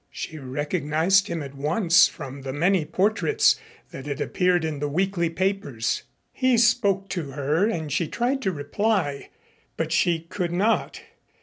She recognized him at once from the many portraits that had appeared in the weekly papers. He spoke to her and she tried to reply, but she could not.